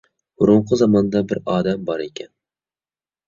بۇرۇنقى زاماندا بىر ئادەم بار ئىكەن.